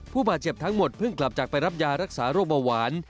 ผู้บาดเจ็บทั้งหมดเพิ่งกลับจากไปรับยารักษาโรคเบาหวาน